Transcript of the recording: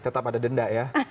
tetap ada denda ya